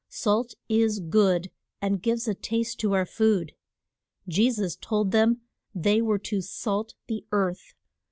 Salt is good, and gives a taste to our food. Je sus told them they were to salt the earth.